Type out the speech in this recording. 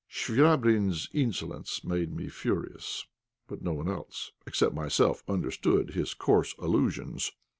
Chvabrine's insolence made me furious, but no one else, except myself, understood his coarse allusions.